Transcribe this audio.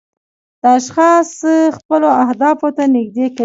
دا اشخاص خپلو اهدافو ته نږدې کوي.